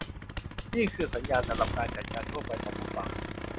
นี่คือสัญญาณสำหรับการจัดการทั่วไปของผู้ฟัง